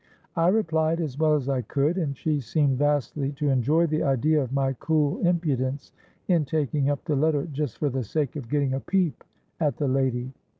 I replied as well as I could; and she seemed vastly to enjoy the idea of my cool impudence in taking up the letter just for the sake of getting a peep at the lady.